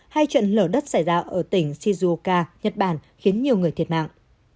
hay trận lở đất xảy ra ở tỉnh shizuoka nhật bản khiến nhiều người thiệt mạng